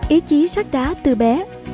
ý chí sát đá từ bé